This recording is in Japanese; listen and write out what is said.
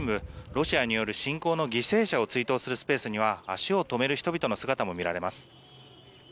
ロシアによる侵攻の犠牲者を追悼するスペースには足を止める人々の姿も見られます。